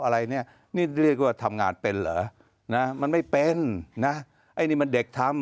อะไรเนี่ยนี่เรียกว่าทำงานเป็นเหรอนะมันไม่เป็นนะไอ้นี่มันเด็กทำ